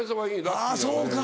あぁそうか。